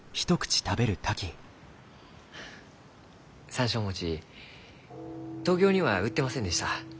山椒餅東京には売ってませんでした。